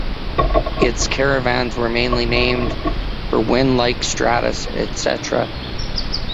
Its caravans were mainly named for winds like stratus etc.